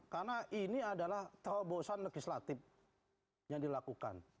karena ini adalah terobosan legislatif yang dilakukan